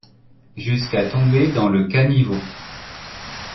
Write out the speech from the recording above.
Jusqu’à tomber dans le caniveau.